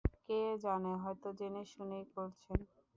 কে জানে হয়তো জেনেশুনেই করছেন।